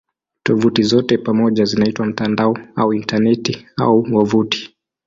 Tovuti zote pamoja zinaitwa "mtandao" au "Intaneti" au "wavuti".